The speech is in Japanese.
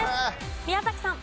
宮崎さん。